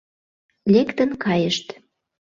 Лектын кайышт.